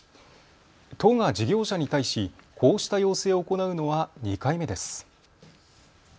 都が事業者に対しこうした要請を行うのは２回目です。